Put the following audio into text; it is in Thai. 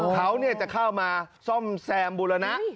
เขาจะเข้ามาซ่อมแซมบูรณะ